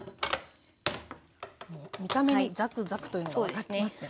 見た目にザクザクというのが分かってますね。